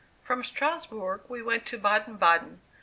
From Strasbourg we went to Baden Baden.